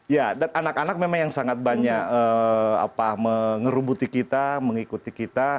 ya dan anak anak memang yang sangat banyak mengerubuti kita mengikuti kita